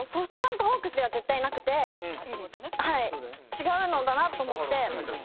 違うのだなと思って。